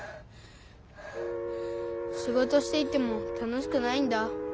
しごとしていても楽しくないんだ。